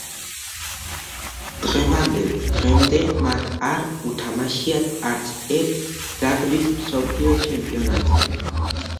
დღევანდელ დღემდე მათ არ უთამაშიათ არცერთ რაგბის მსოფლიო ჩემპიონატზე.